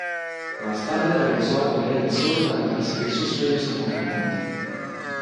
Más tarde regresó a Corea del Sur para perseguir sus sueños como cantante.